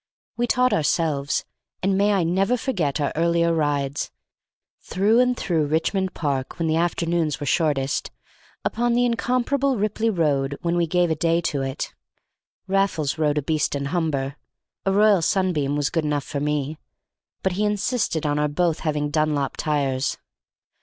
We taught ourselves, and may I never forget our earlier rides, through and through Richmond Park when the afternoons were shortest, upon the incomparable Ripley Road when we gave a day to it. Raffles rode a Beeston Humber, a Royal Sunbeam was good enough for me, but he insisted on our both having Dunlop tires.